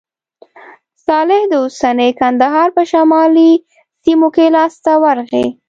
صالح د اوسني کندهار په شمالي سیمو کې لاسته ورغی.